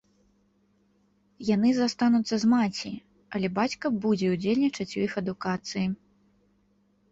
Яны застануцца з маці, але бацька будзе ўдзельнічаць у іх адукацыі.